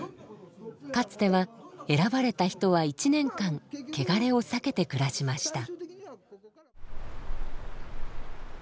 かつては選ばれた人は１年間けがれを避けて暮らしました。